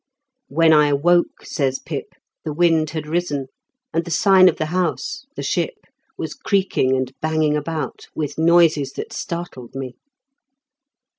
"When I awoke/' says Pip, "the wind had risen, and the sign of the house (The Ship) was creaking and banging about, with noises that startled me.